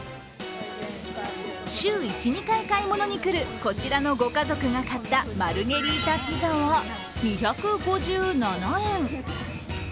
週１２回買い物に来るこちらのご家族が買ったマルゲリータピザは２５７円。